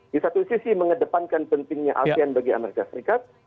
di satu sisi mengedepankan pentingnya asean bagi amerika serikat